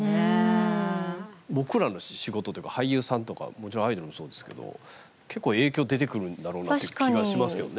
僕らの仕事っていうか俳優さんとかもちろんアイドルもそうですけど結構影響出てくるんだろうなっていう気がしますけどね。